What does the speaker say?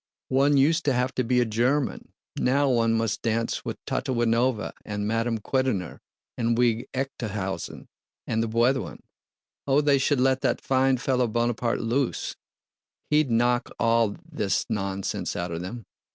"One used to have to be a German—now one must dance with Tatáwinova and Madame Kwüdener, and wead Ecka'tshausen and the bwethwen. Oh, they should let that fine fellow Bonaparte loose—he'd knock all this nonsense out of them!